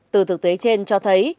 từ thực tế trên cho thấy